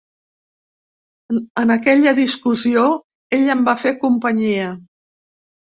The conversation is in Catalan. En aquella discussió, ell em va fer companyia.